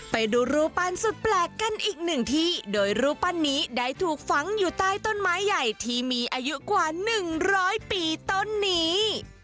ไปดูรูปันสุดแปลกกันอีกหนึ่งที่โดยรูปปั้นนี้ได้ถูกฝังอยู่ใต้ต้นไม้ใหญ่ที่มีอายุกว่าหนึ่งร้อยปีต้นนี้